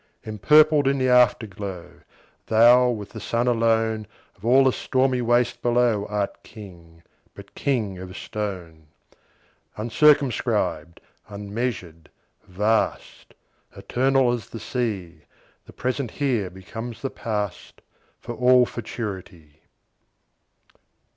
Empurpled in the Afterglow, Thou, with the Sun alone, Of all the stormy waste below, Art King, but king of stone! Uncircumscribed, unmeasured, vast, Eternal as the Sea, The present here becomes the past, For all futurity.